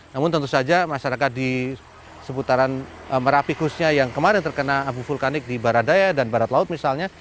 namun tentu saja masyarakat di seputaran merapi khususnya yang kemarin terkena abu vulkanik di baradaya dan barat laut misalnya